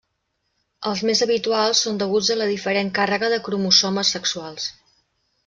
Els més habituals són deguts a la diferent càrrega de cromosomes sexuals.